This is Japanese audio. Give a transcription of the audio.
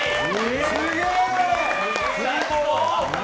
すげえ！